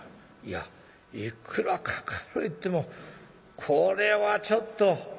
「いやいくらかかるいってもこれはちょっと。